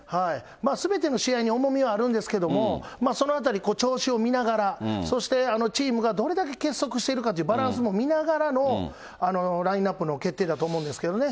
すべての試合に重みはあるんですけど、そのあたり調子を見ながら、そして、チームがどれだけ結束しているかというバランスも見ながらのラインナップの決定だと思うんですけれどもね。